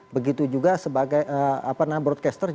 begitu juga sebagai broadcaster